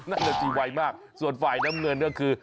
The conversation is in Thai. หน้าเจียวไวเมื่อส่วนฝ่ายน้ำเงินก็คือ